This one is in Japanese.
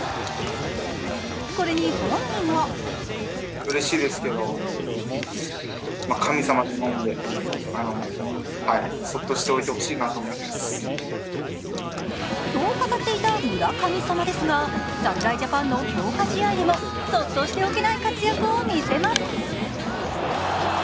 これに本人はと語っていた村神様ですが侍ジャパンの強化試合でもそっとしておけない活躍を見せます。